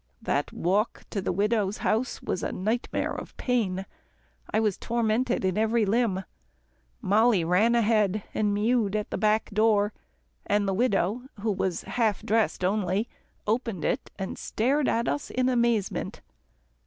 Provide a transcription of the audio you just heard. That walk to the widow's house was a nightmare of pain. I was tormented in every limb. Mollie ran ahead, and mewed at the back door, and the widow, who was half dressed only, opened it and stared at us in amazement.